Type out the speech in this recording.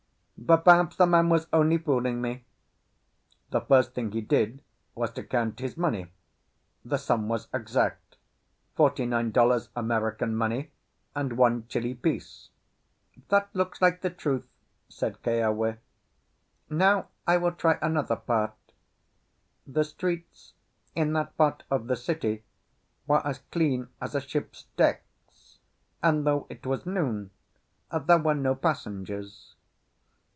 "But perhaps the man was only fooling me." The first thing he did was to count his money; the sum was exact—forty nine dollars American money, and one Chili piece. "That looks like the truth," said Keawe. "Now I will try another part." The streets in that part of the city were as clean as a ship's decks, and though it was noon, there were no passengers.